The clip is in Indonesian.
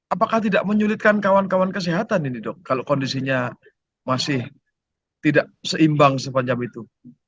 apakah tidak menyulitkan kawan kawan kesehatan ini dok kalau kondisinya masih tidak seimbang sepanjang itu